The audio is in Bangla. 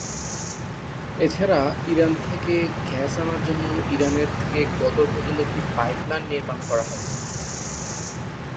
এছাড়া ইরান থেকে গ্যাস আনার জন্য ইরান-এর থেকে গদর পর্যন্ত একটি পাইপ লাইন নির্মাণ করা হবে।